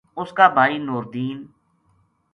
اس کا بھائی نوردین